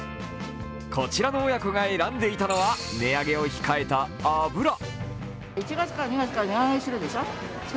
こちらの親子が選んでいたのは値上げを控えた油。